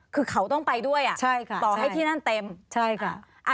คือเขาต้องไปด้วยเต่าให้ที่นั่นเต็มค่ะใช่ค่ะ